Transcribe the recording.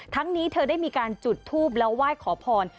ทั้งนี้เธอได้มีการจุดธูปแล้วไหว้ขอภาพลกฎ